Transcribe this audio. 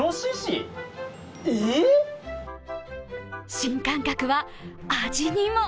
新感覚は味にも。